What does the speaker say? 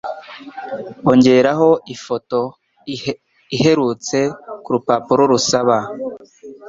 Ongeraho ifoto iherutse kurupapuro rusaba.